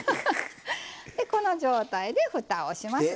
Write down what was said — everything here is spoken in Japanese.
でこの状態でふたをします。